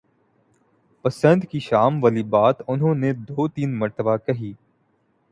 پسند کی شام والی بات انہوں نے دو تین مرتبہ کہی۔